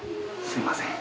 すいません